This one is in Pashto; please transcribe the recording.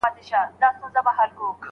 څوک چي درې لوڼي وروزي او هغوی ته ادب ورکړي.